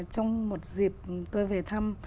trong một dịp tôi về thăm